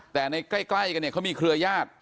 แต่ในใกล้กันเนี่ยเขามีเครือญาติ